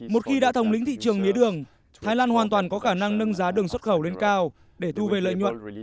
một khi đã thống lĩnh thị trường mía đường thái lan hoàn toàn có khả năng nâng giá đường xuất khẩu lên cao để thu về lợi nhuận